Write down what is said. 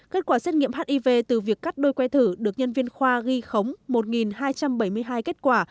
kết quả xét nghiệm hiv từ việc cắt đôi que thử được nhân viên khoa ghi khống một hai trăm bảy mươi hai kết quả